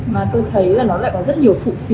mà tôi thấy là nó lại có rất nhiều phụ phí